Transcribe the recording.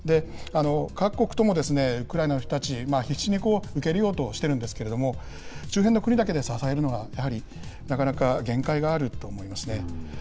各国とも、ウクライナの人たち、必死に受け入れようとしているんですけれども、周辺の国だけで支えるのはやはり、なかなか限界があると思いますね。